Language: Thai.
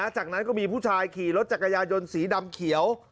จากนั้นก็มีผู้ชายขี่รถจักรยายนสีดำเขียว